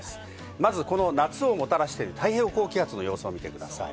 まずこの夏をもたらしている太平洋高気圧の様子を見てください。